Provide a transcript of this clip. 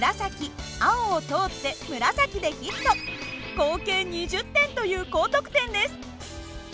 合計２０点という高得点です。